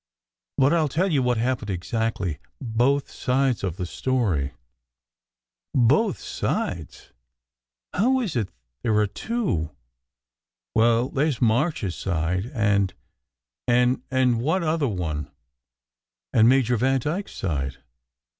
But I ll tell you what happened exactly both sides of the story." "Both sides? How is it there are two? " "Well, there s March s side, and " "And what other one?" "And Major Vandyke s side."